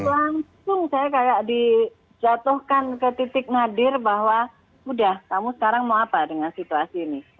langsung saya kayak dijatuhkan ke titik nadir bahwa udah kamu sekarang mau apa dengan situasi ini